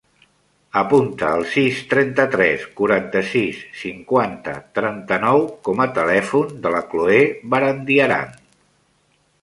Apunta el sis, trenta-tres, quaranta-sis, cinquanta, trenta-nou com a telèfon de la Cloè Barandiaran.